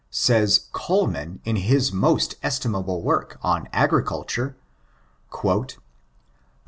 * Says Coleman, in his most estimable work on Agriculturb :—^.